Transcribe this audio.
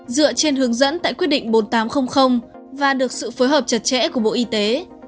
dựa trên hướng dẫn tại quyết định bốn nghìn tám trăm linh và được sự phối hợp chặt chẽ của bộ y tế